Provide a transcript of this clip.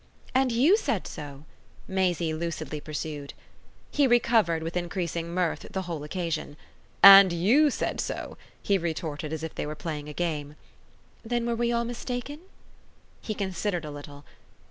"And YOU said so," Maisie lucidly pursued. He recovered, with increasing mirth, the whole occasion. "And YOU said so!" he retorted as if they were playing a game. "Then were we all mistaken?" He considered a little.